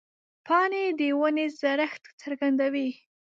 پاڼې د ونې زړښت څرګندوي.